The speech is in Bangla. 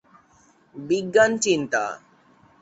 বিজ্ঞানচিন্তা